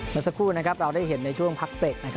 เมื่อสักครู่เราได้เห็นในช่วงพักเตะ